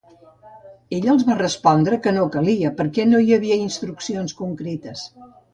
Ell els va respondre que no calia perquè no hi havia instruccions concretes.